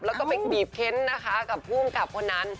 แล้วก็ไปบีบเค้นนะคะกับภูมิกับคนนั้น